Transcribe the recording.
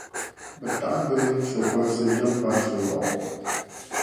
bɛ taɣi doli so’ kpansi, din pa so’ lɔɣu.